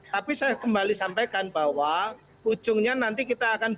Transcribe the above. tapi saya kembali sampaikan bahwa ujungnya nanti kita akan